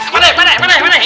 padahal ini apa muka